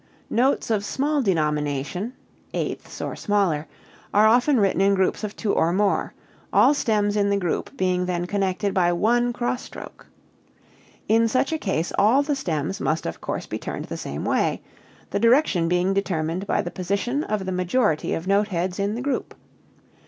Notes of small denomination (eighths and smaller) are often written in groups of two or more, all stems in the group being then connected by one cross stroke. In such a case all the stems must of course be turned the same way, the direction being determined by the position of the majority of note heads in the group.